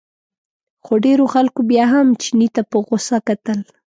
خو ډېرو خلکو بیا هم چیني ته په غوسه کتل.